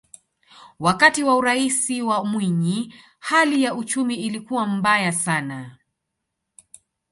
wakati wa uraisi wa mwinyi hali ya uchumi ilikuwa mbaya sana